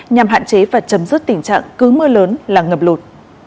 nhằm hạn chế và chấm dứt tình trạng cứ mưa lớn là ngập lụt